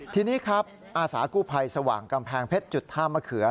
ทีนี้ครับอาสากู้ภัยสว่างกำแพงเพชรจุดท่ามะเขือ